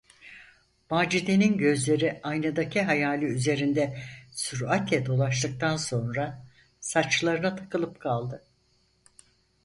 Macide’nin gözleri aynadaki hayali üzerinde süratle dolaştırdıktan sonra saçlarına takılıp kaldı.